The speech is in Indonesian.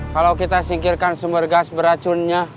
kalau kita singkirkan sumber gas beracunnya